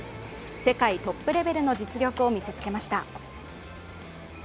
世界トップレベルの実力を見せつけました。